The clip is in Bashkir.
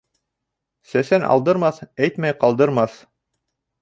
Сәсән алдырмаҫ, әйтмәй ҡалдырмаҫ.